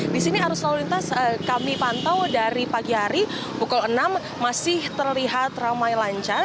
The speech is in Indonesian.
di sini arus lalu lintas kami pantau dari pagi hari pukul enam masih terlihat ramai lancar